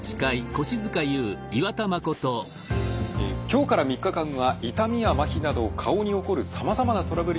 今日から３日間は痛みやまひなど顔に起こるさまざまなトラブルについてお伝えしています。